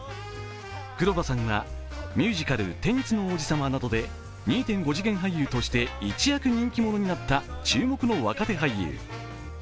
黒羽さんはミュージカル「テニスの王子様」などで２．５次元俳優として一躍人気者になった注目の若手俳優。